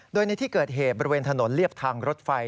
โดยในที่เกิดเหตุบริเวณถนนเรียบทางรถไฟ